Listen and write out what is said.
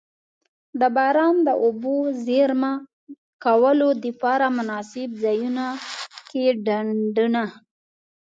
د باران د اوبو د زیرمه کولو دپاره مناسب ځایونو کی ډنډونه.